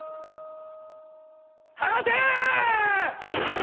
放て！